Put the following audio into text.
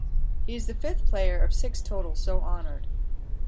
He is the fifth player of six total so honored.